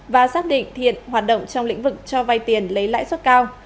và xác định thiện hoạt động trong lĩnh vực cho vay tiền lấy lãi suất cao